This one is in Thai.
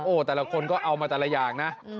โอ้โหแต่ละคนก็เอามาแต่ละอย่างนะ